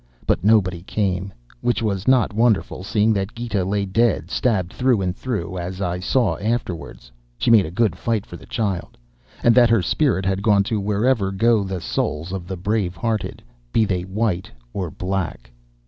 But nobody came, which was not wonderful, seeing that Gita lay dead, stabbed through and through, as I saw afterwards, (she made a good fight for the child), and that her spirit had gone to wherever go the souls of the brave hearted, be they white or black.